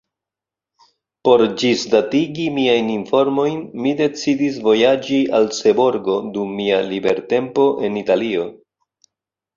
Por ĝisdatigi miajn informojn, mi decidis vojaĝi al Seborgo dum mia libertempo en Italio.